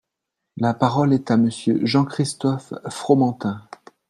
La parole est à Monsieur Jean-Christophe Fromantin.